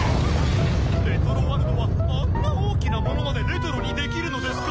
レトロワルドはあんな大きなものまでレトロにできるのですか？